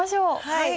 はい。